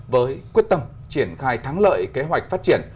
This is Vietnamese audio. với quyết tâm triển khai thắng lợi kế hoạch phát triển